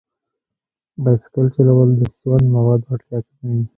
بایسکل چلول د سون موادو اړتیا کموي.